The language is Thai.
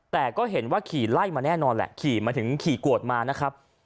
แต่ก็เห็นว่าขี่ไล่มาแน่นอนแหละขี่มาถึงขี่กวดมานะครับ